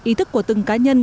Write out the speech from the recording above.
ý thức của từng cá nhân